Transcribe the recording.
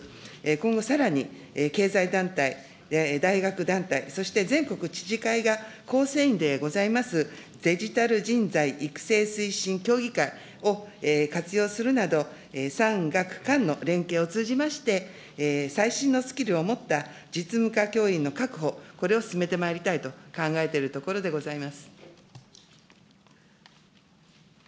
今後さらに経済団体、大学団体、そして、全国知事会が、構成員でございます、デジタル人材育成推進協議会を活用するなど、産学官の連携を通じまして、最新のスキルを持った実務化教員の確保、これを進めてまいりたいと考えているところでございます。